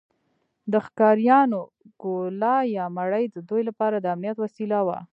د ښکاریانو ګوله یا مړۍ د دوی لپاره د امنیت وسیله وه.